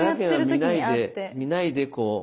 見ないでこう。